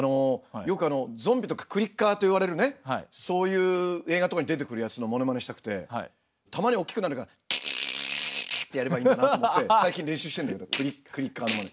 よくゾンビとかクリッカーといわれるねそういう映画とかに出てくるやつのモノマネしたくてたまに大きくなる「カ」ってやればいいのかなと思って最近練習してるんだけどクリッカーのマネ。